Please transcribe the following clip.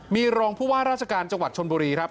มีรองผู้ว่าราชการจังหวัดชนบุรีครับ